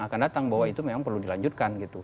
akan datang bahwa itu memang perlu dilanjutkan gitu